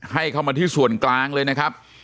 ให้เข้ามาที่ส่วนกลางเลยนะครับ